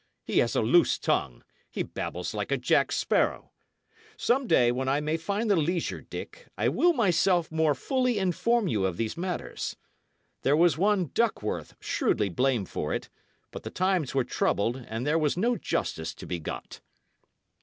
He has a loose tongue; he babbles like a jack sparrow. Some day, when I may find the leisure, Dick, I will myself more fully inform you of these matters. There was one Duckworth shrewdly blamed for it; but the times were troubled, and there was no justice to be got."